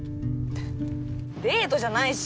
デートじゃないし。